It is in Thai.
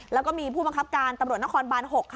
แล้วก็มีผู้บังคับการตำรวจนครบาน๖